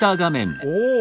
おお！